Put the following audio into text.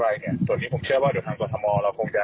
อะไรเนี่ยส่วนนี้ผมเชื่อว่าเดี๋ยวทางกรทมเราคงจะ